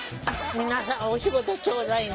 皆さんお仕事ちょうだいね。